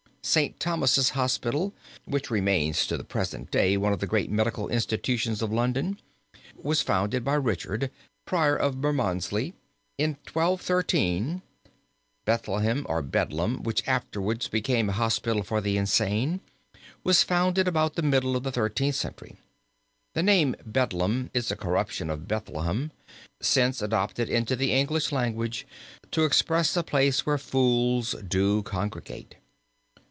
St. Thomas' Hospital, which remains to the present day one of the great medical institutions of London, was founded by Richard, Prior of Bermondsey, in 1213. Bethlehem or Bedlam, which afterwards became a hospital for the insane, was founded about the middle of the Thirteenth Century. The name Bedlam is a corruption of Bethlehem, since adopted into the English language to express a place where fools do congregate.